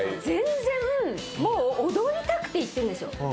全然もう踊りたくて行ってるんですよ。